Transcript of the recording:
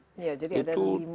ya jadi ada lima